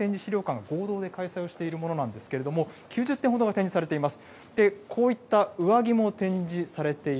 平和祈念展示資料館が合同で開催をしているものなんですけれども、９０点ほどが展示されています。